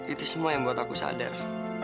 itu semua yang buat aku sadar